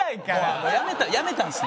もうやめたんですね？